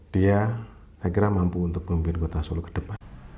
saya kira mampu untuk membuat kota solo kedepan